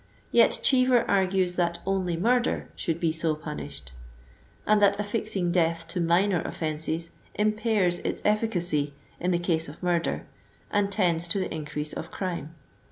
Yet Cheever argues that only murder should be so punished, and that affixing death to minor offenses impairs its efficacy in the case of murder, and tends to the increase of crime.